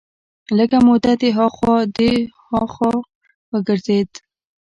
لږه موده دې خوا ها خوا وګرځېد.